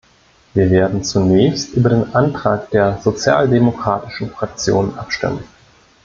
Wir werden zunächst über den Antrag der Sozialdemokratischen Fraktion abstimmen.